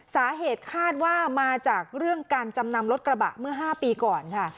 สาเหตุคาดว่ามาจากเรื่องการจำนำรถกระบะเมื่อ๕ปีก่อนค่ะ